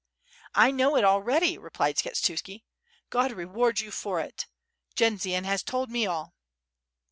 "I know it already," replied Skshetuski. "God reward you for it! Jendzian has told me all."